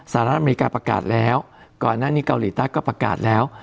สหรัฐอเมริกาประกาศแล้วก่อนหน้านี้เกาหลีใต้ก็ประกาศแล้ว